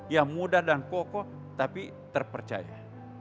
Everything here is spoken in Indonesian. yang mudah dan kokoh tapi terpercaya